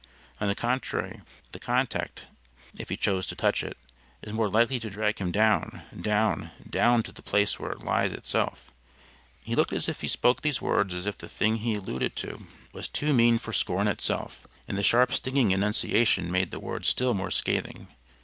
On the contrary, the contact, if he choose to touch it, is more likely to drag him down, down, down to the place where it lies itself." He looked as he spoke these words as if the thing he alluded to was too mean for scorn itself, and the sharp stinging enunciation made the words still more scathing.